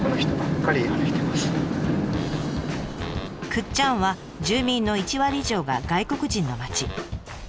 倶知安は住民の１割以上が外国人の町。